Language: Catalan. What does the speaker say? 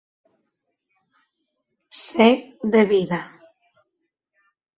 Ser de vida.